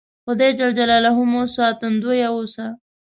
خدای ج مو ساتندویه اوسه